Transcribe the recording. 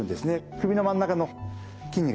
首の真ん中の筋肉ですね。